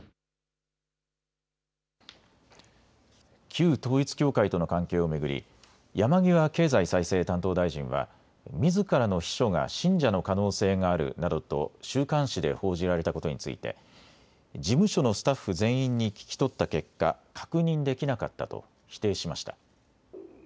旧統一教会との関係を巡り山際経済再生担当大臣はみずからの秘書が信者の可能性があるなどと週刊誌で報じられたことについて事務所のスタッフ全員に聞き取った結果、確認できなかったと否定しました。